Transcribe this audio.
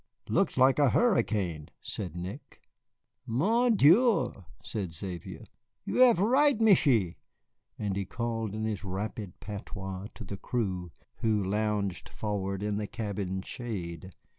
"Looks like a hurricane," said Nick. "Mon Dieu," said Xavier, "you have right, Michié," and he called in his rapid patois to the crew, who lounged forward in the cabin's shade.